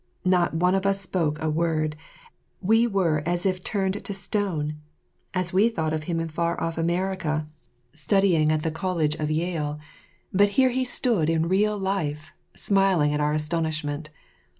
Not one of us spoke a word; we were as if turned to stone; as we thought of him as in far off America, studying at the college of Yale. But here he stood in real life, smiling at our astonishment.